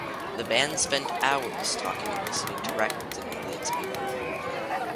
The band spent hours talking and listening to records in Elliott's bedroom.